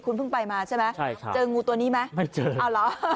คุณเพิ่งไปมาใช่ไหมใช่ครับเจองูตัวนี้ไหมไม่เจอเอาเหรอ